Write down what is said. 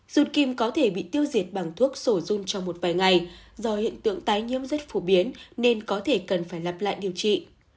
ruột kim có thể bị tiêu diệt bằng thuốc sổ dung trong một vài ngày do hiện tượng tái nhiễm rất phổ biến nên có thể cần phải lặp lại điều trị